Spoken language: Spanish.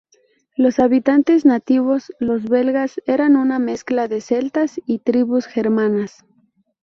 Los habitantes nativos, los belgas, eran una mezcla de celtas y tribus germanas.